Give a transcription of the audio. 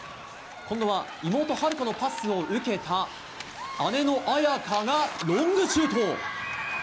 今度は妹・秦留可のパスを受けた姉の亜矢可がロングシュート！